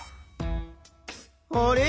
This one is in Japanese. あれ？